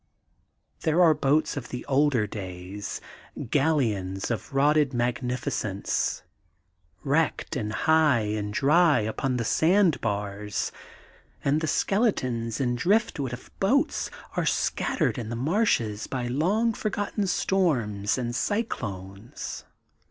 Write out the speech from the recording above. There are boats of the older days, galleons of rotted magnificence, wrecked and high and dry upon the sand bars, and the skeletons and driftwood of boats are scattered in the marshes by long forgotten storms and cy clones.